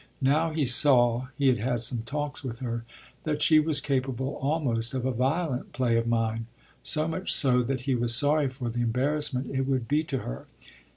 Now he saw he had had some talks with her that she was capable almost of a violent play of mind; so much so that he was sorry for the embarrassment it would be to her.